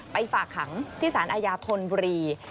ฝากขังที่สารอาญาธนบุรี